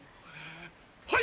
はい！